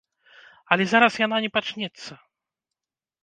Але зараз яна не пачнецца.